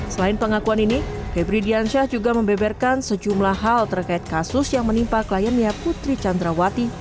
selain pengakuan ini febri diansyah juga membeberkan sejumlah hal terkait kasus yang menimpa kliennya putri candrawati